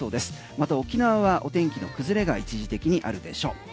また沖縄を天気の崩れが一時的にあるでしょう。